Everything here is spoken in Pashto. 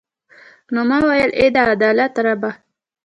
نو ما ویل ای د عدالت ربه.